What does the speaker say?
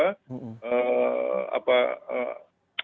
mereka upacara upacara melakukan apa satu minggu terakhir